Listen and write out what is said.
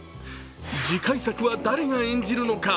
次回作は誰が演じるのか？